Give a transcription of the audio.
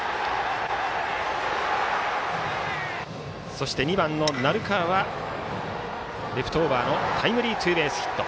そして、２番の鳴川はレフトオーバーのタイムリーツーベースヒット。